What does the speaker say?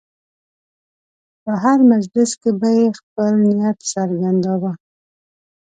په هر مجلس کې به یې خپل نیت څرګنداوه.